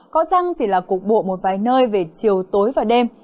có răng chỉ là cục bộ một vài nơi về chiều tối và đêm